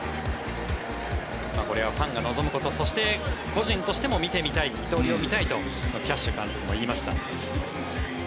これはファンが望むことそして、個人としても見てみたい二刀流を見たいとキャッシュ監督も言いました。